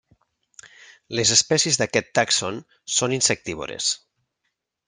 Les espècies d'aquest tàxon són insectívores.